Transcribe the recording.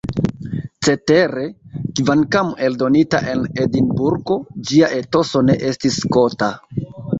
Cetere, kvankam eldonita en Edinburgo, ĝia etoso ne estis skota.